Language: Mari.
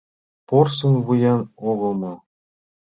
Порсын вуян огыл мо?